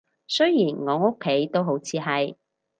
雖然我屋企都好似係